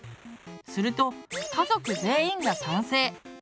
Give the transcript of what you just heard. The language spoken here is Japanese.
すると家族全員が賛成。